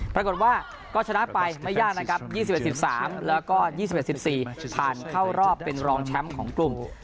ปรากฏว่าก็ชนะไปไม่ยากนะครับ๒๑๑๓แล้วก็๒๑๑๔ผ่านเข้ารอบเป็นรองแชมป์ของกลุ่ม